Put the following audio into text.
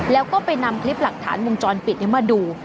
แล้วก็ไปนำคลิปหลักฐานวงจรปิดมาดู